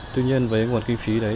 tuy nhiên với nguồn kinh phí đấy